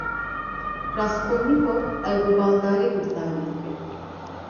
Raskolnîkov ew bi baldarî guhdarî dikir.